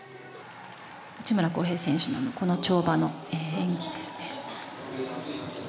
内村航平選手のこの跳馬の演技ですね。